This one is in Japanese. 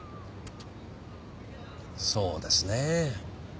そうですね。